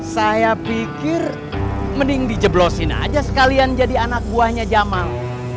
saya pikir mending dijeblosin aja sekalian jadi anak buahnya jamal